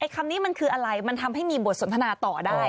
คำนี้มันคืออะไรมันทำให้มีบทสนทนาต่อได้